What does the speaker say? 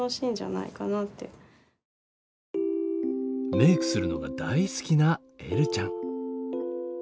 メークするのが大好きなえるちゃん。